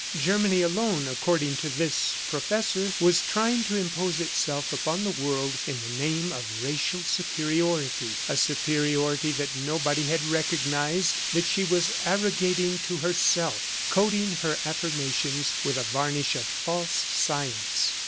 Germany alone, according to this professor, was trying to impose itself upon the world in the name of racial superiority a superiority that nobody had recognized, that she was arrogating to herself, coating her affirmations with a varnish of false science.